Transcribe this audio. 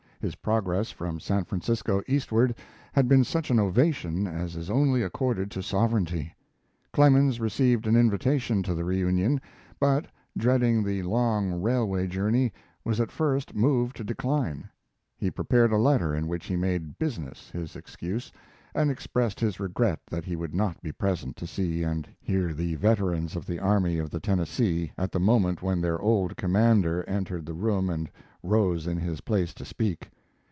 His progress from San Francisco eastward had been such an ovation as is only accorded to sovereignty. Clemens received an invitation to the reunion, but, dreading the long railway journey, was at first moved to decline. He prepared a letter in which he made "business" his excuse, and expressed his regret that he would not be present to see and hear the veterans of the Army of the Tennessee at the moment when their old commander entered the room and rose in his place to speak.